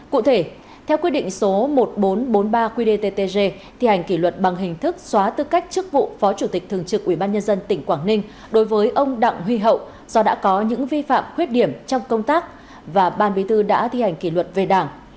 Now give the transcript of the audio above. cụ thể theo quyết định số một nghìn bốn trăm bốn mươi ba qdttg thi hành kỷ luật bằng hình thức xóa tư cách chức vụ phó chủ tịch thường trực ubnd tỉnh quảng ninh đối với ông đặng huy hậu do đã có những vi phạm khuyết điểm trong công tác và ban bí thư đã thi hành kỷ luật về đảng